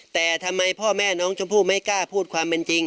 แต่ทำไมพ่อแม่น้องชมพู่ไม่กล้าพูดความเป็นจริง